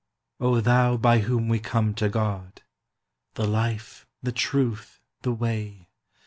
O Thou by whom we come to God The life, the truth, the way!